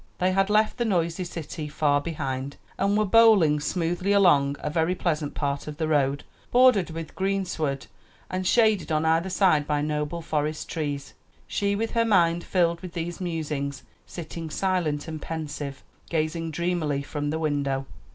They had left the noisy city far behind, and were bowling smoothly along a very pleasant part of the road, bordered with greensward and shaded on either side by noble forest trees; she with her mind filled with these musings, sitting silent and pensive, gazing dreamily from the window.